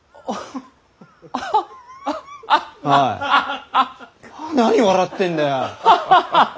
おい何笑ってんだよ！